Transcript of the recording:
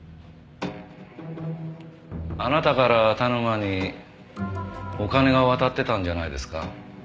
あなたから田沼にお金が渡ってたんじゃないですか？